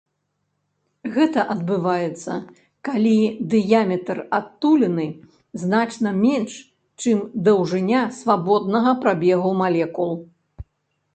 Гэта адбываецца, калі дыяметр адтуліны значна менш, чым даўжыня свабоднага прабегу малекул.